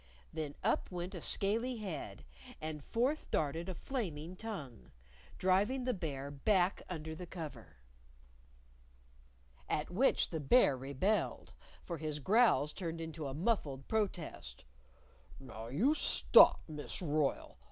Then up went a scaly head, and forth darted a flaming tongue driving the Bear back under the cover! At which the Bear rebelled. For his growls turned into a muffled protest "Now, you stop, Miss Royle!